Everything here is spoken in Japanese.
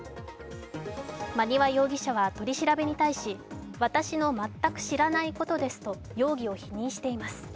馬庭容疑者は取り調べに対し、私の全く知らないことですと容疑を否認しています。